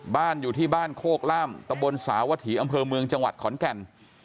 อยู่ที่บ้านโคกล่ามตะบนสาวถีอำเภอเมืองจังหวัดขอนแก่น